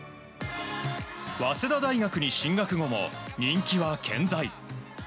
早稲田大学に進学後も人気は健在。